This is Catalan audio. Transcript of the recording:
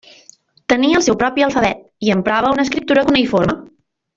Tenia el seu propi alfabet, i emprava una escriptura cuneïforme.